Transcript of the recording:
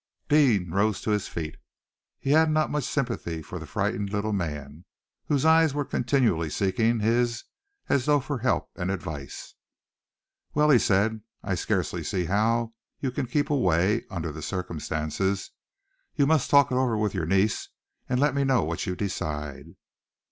Deane rose to his feet. He had not much sympathy for the frightened little man, whose eyes were continually seeking his as though for help and advice. "Well," he said, "I scarcely see how you can keep away, under the circumstances. You must talk it over with your niece, and let me know what you decide."